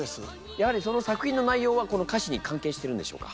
やはりその作品の内容はこの歌詞に関係してるんでしょうか？